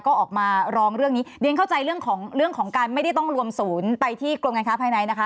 ก็ออกมาร้องเรื่องนี้เรียนเข้าใจเรื่องของเรื่องของการไม่ได้ต้องรวมศูนย์ไปที่กรมการค้าภายในนะคะ